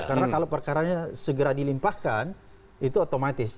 karena kalau perkaranya segera dilimpahkan itu otomatis